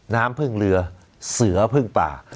น้ำพึ่งเรือเสือพึ่งป่า